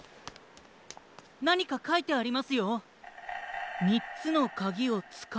なにかかいてありますよ。